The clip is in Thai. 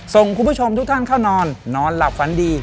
ส่งคุณผู้ชมทุกท่านเข้านอนนอนหลับฝันดี